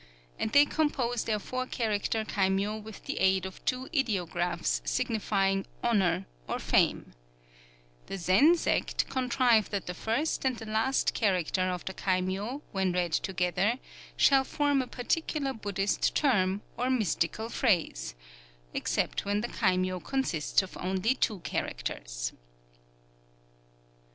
_ and they compose their four character kaimyō with the aid of two ideographs signifying "honour" or "fame;" the Zen sect contrive that the first and the last character of the kaimyō, when read together, shall form a particular Buddhist term, or mystical phrase, except when the kaimyō consists of only two characters.